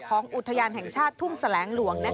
อุทยานแห่งชาติทุ่งแสลงหลวง